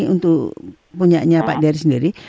untuk punya pak dari sendiri